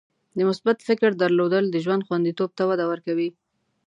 د مثبت فکر درلودل د ژوند خوندیتوب ته وده ورکوي.